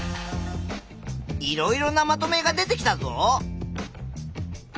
いろいろなまとめが出てきたぞ。